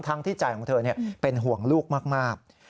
ทั้งที่จ่ายของเธอเป็นห่วงลูกมาก